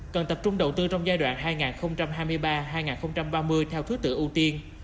cần tập trung đầu tư trong giai đoạn hai nghìn hai mươi ba hai nghìn ba mươi theo thứ tự ưu tiên